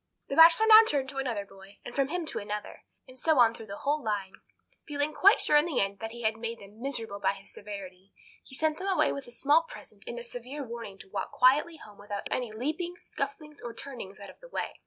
The Bachelor now turned to another boy, and from him to another, and so on through the whole line. Feeling quite sure in the end that he had made them miserable by his severity, he sent them away with a small present and a severe warning to walk quietly home without any leaping, scufflings, or turnings out of the way.